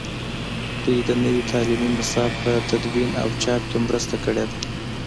دوی د نوي تعلیمي نصاب په تدوین او چاپ کې مرسته کړې ده.